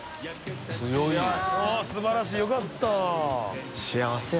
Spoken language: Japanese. い茵素晴らしいよかった。